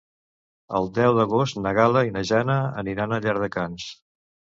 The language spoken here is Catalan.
El deu d'agost na Gal·la i na Jana aniran a Llardecans.